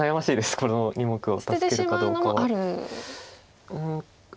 この２目を助けるかどうかは。